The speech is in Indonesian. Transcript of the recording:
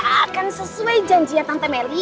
ya kan sesuai janji tante meli